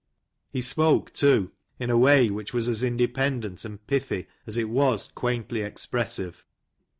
He spoke, too, in a way which was as independent and pithy as it was quaintly expressive.